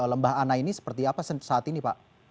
lembah ana ini seperti apa saat ini pak